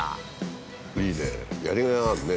いいね。